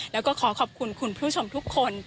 แล้วก็ขอขอบคุณคุณผู้ชมทุกคน